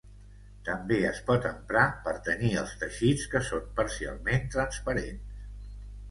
També es pot emprar per tenyir els teixits que són parcialment transparents.